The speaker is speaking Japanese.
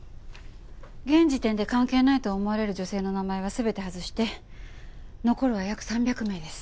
現時点で関係ないと思われる女性の名前は全て外して残るは約３００名です。